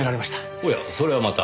おやそれはまた。